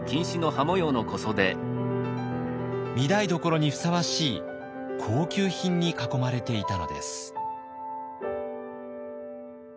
御台所にふさわしい高級品に囲まれていたのです。